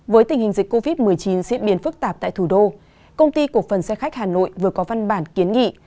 với tình hình dịch covid một mươi chín diễn biến phức tạp tại thủ đô công ty cổ phần xe khách hà nội vừa có văn bản kiến nghị